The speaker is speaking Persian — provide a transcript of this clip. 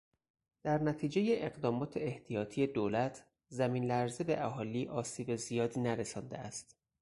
در نتیجهٔ اقدامات احتیاطی دولت؛ زمین لرزه به اهالی آسیب زیادی نرسانده است.